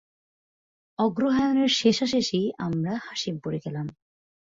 অগ্রহায়ণের শেষাশেষি আমরা হাসিমপুরে গেলাম।